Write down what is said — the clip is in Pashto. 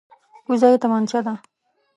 کوزه یې تمانچه ده.